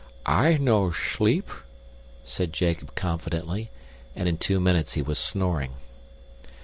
"I no sleep," said Jacob confidently, and in two minutes he was snoring.